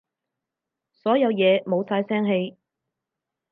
所有嘢冇晒聲氣